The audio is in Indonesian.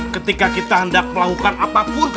ketika kita hendak melakukan apapun